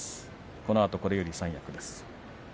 このあとこれより三役です。